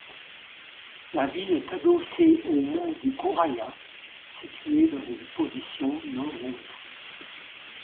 La ville est adossée au mont du Gouraya situé dans une position nord-ouest.